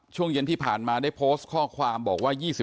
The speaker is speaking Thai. ช่วงเย็นที่ผ่านมาได้โพสต์ข้อความบอกว่า